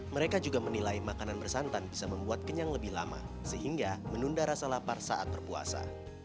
mereka juga menilai makanan bersantan bisa membuat kenyang lebih lama sehingga menunda rasa lapar saat berpuasa